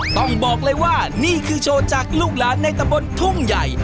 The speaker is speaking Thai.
ต้องบอกเลยว่านี่คือโชว์จากลูกหลานในตะบนทุ่งใหญ่